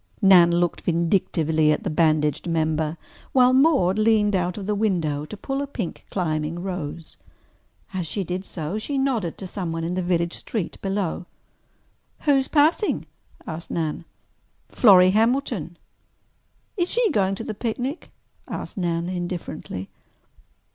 Nan looked vindictively at the bandaged member, while Maude leaned out of the window to pull a pink climbing rose. As she did so she nodded to someone in the village street below. "Who is passing?" asked Nan. "Florrie Hamilton." "Is she going to the picnic?" asked Nan indifferently.